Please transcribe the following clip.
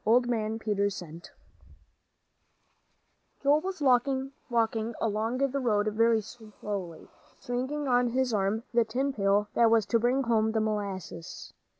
XV OLD MAN PETERS' CENT Joel was walking along the road very slowly, swinging on his arm the tin pail that was to bring home the molasses.